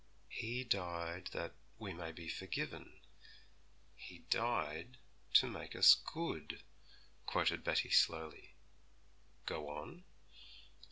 'He died that we may be forgiven, He died to make us good,' quoted Betty slowly. 'Go on.'